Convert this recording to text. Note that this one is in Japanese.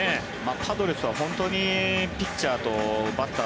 パドレスは本当にピッチャーとバッター